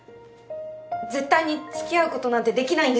絶対につきあうことなんてできないんです。